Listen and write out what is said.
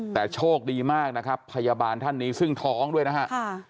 แต่โชคดีมากนะครับพยาบาลท่านนี้ซึ่งท้องด้วยนะฮะ